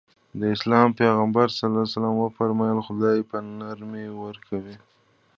د اسلام پيغمبر ص وفرمايل خدای په نرمي ورکوي.